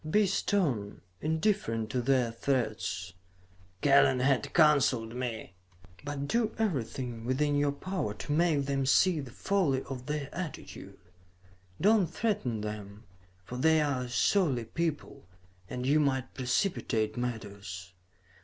"Be stern, indifferent to their threats," Kellen, had counseled me, "but do everything within your power to make them see the folly of their attitude. Do not threaten them, for they are a surly people and you might precipitate matters.